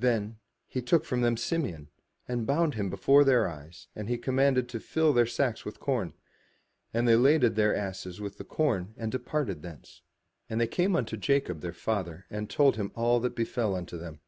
Then he took from them Simeon, and bound him before their eyes and he commanded to fill their sacks with corn. And they laded their asses with the corn, and departed thence. And they came unto Jacob their father and told him all that befell unto them.